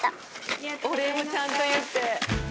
お礼もちゃんと言って。